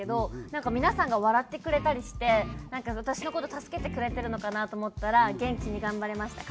なんか皆さんが笑ってくれたりしてなんか私の事助けてくれてるのかなと思ったら元気に頑張れました。